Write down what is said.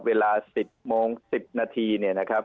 เวลา๑๐โมง๑๐นาทีเนี่ยนะครับ